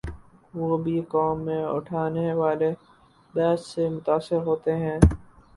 وہ بھی قوم میں اٹھنے والی بحث سے متاثر ہوتے ہیں۔